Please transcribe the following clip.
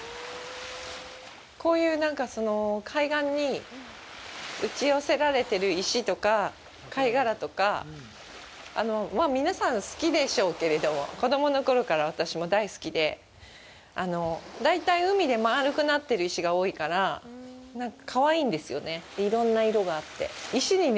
こういうなんか海岸に打ち寄せられてる石とか、貝殻とか、まあ、皆さん、好きでしょうけれども、子供のころから私も大好きで、大体、海で丸くなってる石が多いから、なんか、かわいいんですよね、いろんな色があって。